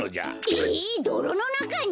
えどろのなかに！？